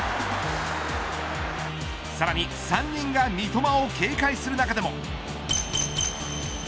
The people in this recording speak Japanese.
さらに３人が三笘を警戒する中でも。